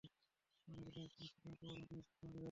এ নদীটির অনেক প্রসিদ্ধ উপনদী, শাখা নদী রয়েছে।